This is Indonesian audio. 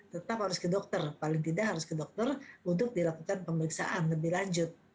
tetap harus ke dokter paling tidak harus ke dokter untuk dilakukan pemeriksaan lebih lanjut